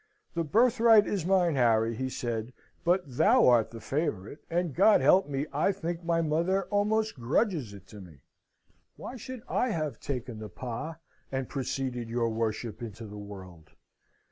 "The birthright is mine, Harry," he said, "but thou art the favourite, and God help me! I think my mother almost grudges it to me. Why should I have taken the pas, and preceded your worship into the world?